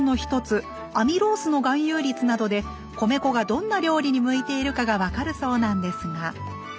アミロースの含有率などで米粉がどんな料理に向いているかがわかるそうなんですが。